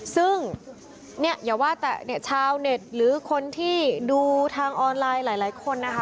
ซึ่งเนี่ยอย่าว่าแต่เนี่ยชาวเน็ตหรือคนที่ดูทางออนไลน์หลายคนนะคะ